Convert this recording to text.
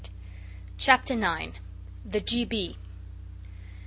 CHAPTER 9. THE G. B.